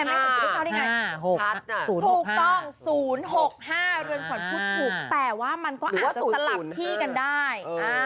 ถูกต้อง๐๖๕เรือนขวัญพูดถูกแต่ว่ามันก็อาจจะสลับที่กันได้